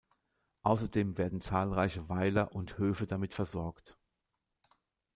Außerdem werden zahlreiche Weiler und Höfe damit versorgt.